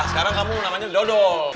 sekarang kamu namanya dodol